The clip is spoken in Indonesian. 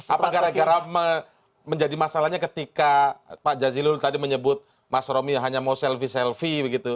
apakah agar menjadi masalahnya ketika pak jazilul tadi menyebut mas romio hanya mau selfie selfie begitu